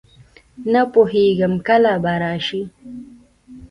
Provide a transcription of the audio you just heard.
نه پوهېږم کله به راشي.